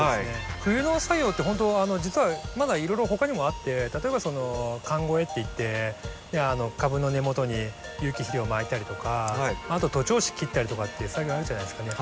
冬の作業ってほんと実はまだいろいろほかにもあって例えば寒肥っていって株の根元に有機肥料をまいたりとか徒長枝切ったりとかっていう作業あるじゃないですかね。